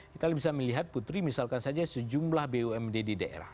kita bisa melihat putri misalkan saja sejumlah bumd di daerah